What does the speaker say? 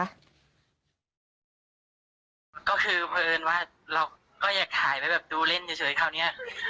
ก็คือเผอิญว่าเราก็อยากถ่ายไว้แบบดูเล่นเฉยคราวนี้